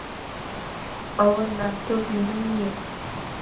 ئەوە لاپتۆپی من نییە.